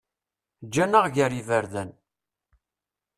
Ǧǧan-aɣ gar yiberdan.